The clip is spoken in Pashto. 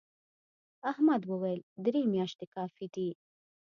احمد وويل: درې میاشتې کافي دي.